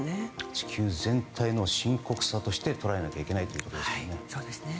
地球全体の深刻さとして捉えないといけないですね。